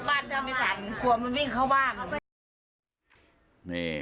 ก็กล้าพูดกลัวรับบ้านถ้าไม่กลัวมันวิ่งเข้าบ้านนี่